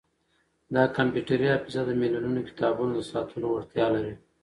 دا کمپیوټري حافظه د ملیونونو کتابونو د ساتلو وړتیا لري.